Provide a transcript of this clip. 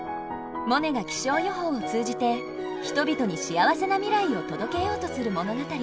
モネが気象予報を通じて人々に幸せな未来を届けようとする物語。